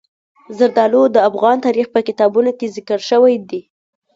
زردالو د افغان تاریخ په کتابونو کې ذکر شوی دي.